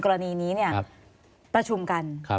กรณีนี้ประชุมกัน